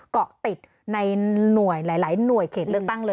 เกาะติดในหลายหน่วยเกร็ดเลือกตั้งเลย